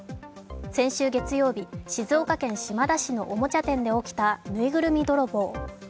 先週月曜日、静岡県島田市のおもちゃ店で起きたぬいぐるみ泥棒。